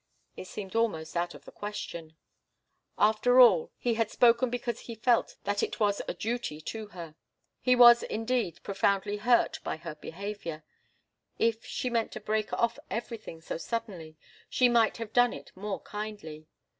It seemed almost out of the question. After all, he had spoken because he felt that it was a duty to her. He was, indeed, profoundly hurt by her behaviour. If she meant to break off everything so suddenly, she might have done it more kindly.